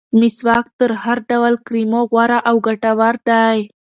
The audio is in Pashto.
مسواک تر هر ډول کریمو غوره او ګټور دی.